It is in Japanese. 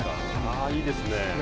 ああ、いいですね。